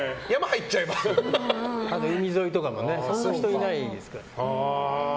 あと、海沿いとかもあんまり人いないですから。